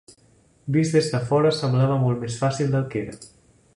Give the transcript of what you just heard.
Vist des de fora semblava molt més fàcil del que era.